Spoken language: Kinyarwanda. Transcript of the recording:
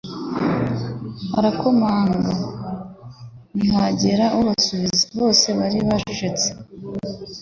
Barakomanga, ntihagira ubasubiza, bose bari bacecetse.